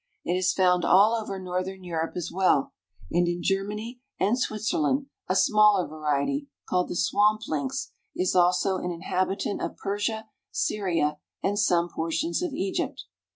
It is found all over Northern Europe as well, and in Germany and Switzerland; a smaller variety, called the swamp lynx, is also an inhabitant of Persia, Syria, and some portions of Egypt.